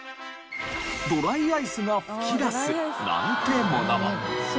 ドライアイスが噴き出すなんてものも。